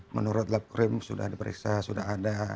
menurut labkrim sudah diperiksa sudah ada